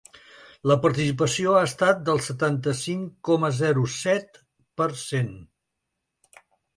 La participació ha estat del setanta-cinc coma zero set per cent.